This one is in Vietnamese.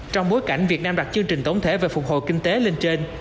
trong bối cảnh việt nam đặt chương trình tổng thể về phục hồi kinh tế lên trên